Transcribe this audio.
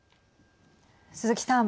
鈴木さん。